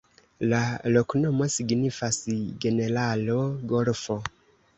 La loknomo signifas: generalo-golfo.